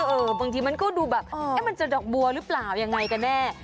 บางทีมันก็ดูแบบมันจะดอกบัวหรือเปล่ายังไงกันแน่